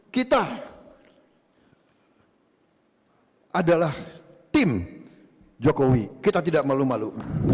kita adalah tim jokowi kita tidak malu malu